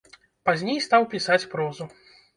Пазней стаў пісаць прозу.